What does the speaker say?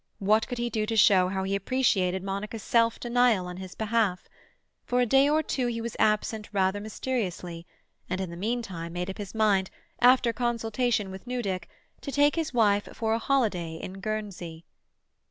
What could he do to show how he appreciated Monica's self denial on his behalf? For a day or two he was absent rather mysteriously, and in the meantime made up his mind, after consultation with Newdick, to take his wife for a holiday in Guernsey.